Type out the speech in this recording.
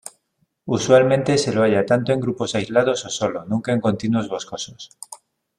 Usualmente se lo halla tanto en grupos aislados o solo, nunca en continuos boscosos.